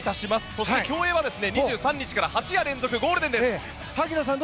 そして競泳は２３日から８夜連続ゴールデンです。